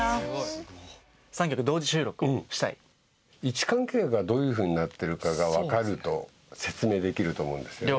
位置関係がどういうふうになってるかが分かると説明できると思うんですね。